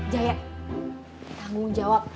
jaya tanggung jawab